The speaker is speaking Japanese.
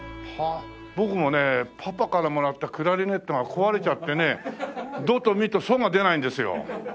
僕もねパパからもらったクラリネットが壊れちゃってねドとミとソが出ないんですよ。